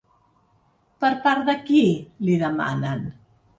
Per part de qui?, li demanen.